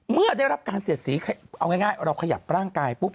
เมื่อได้รับการเสียดสีเอาง่ายเราขยับร่างกายปุ๊บ